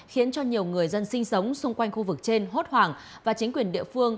khiến cho nhiều người dân sinh sống xung quanh khu vực trên hốt hoảng và chính quyền địa phương